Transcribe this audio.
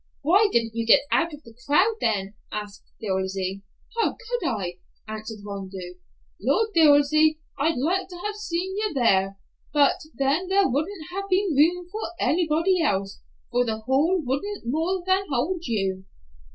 "Why didn't you get out of the crowd then?" asked Dilsey. "How could I?" answered Rondeau. "Lord, Dilsey, I'd like to have seen you there; but then there wouldn't have been room for anybody else, for the hall wouldn't more than hold you."